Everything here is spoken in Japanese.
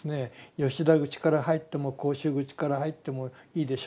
吉田口から入っても甲州口から入ってもいいでしょ。